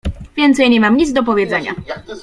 "Więcej nie mam nic do powiedzenia."